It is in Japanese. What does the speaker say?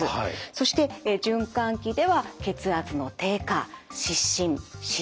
そして循環器では血圧の低下失神失禁。